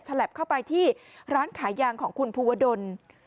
ฉลับเข้าไปที่ร้านขายยางของคุณภูวดล